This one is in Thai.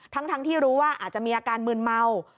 ทั้งที่รู้ว่าอาจจะมีอาการมืนเมา